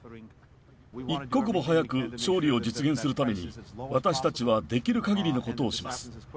一刻も早く勝利を実現するために、私はできるかぎりのことをします。